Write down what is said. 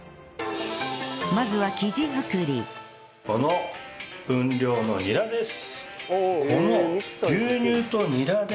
まずはこの分量のニラです。